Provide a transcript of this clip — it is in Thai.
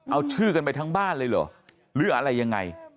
เอาชื่อกันไปทั้งบ้านเลยเหรอหรืออะไรยังไง